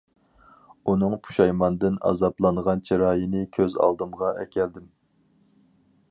ئۇنىڭ پۇشايماندىن ئازابلانغان چىرايىنى كۆز ئالدىمغا ئەكەلدىم.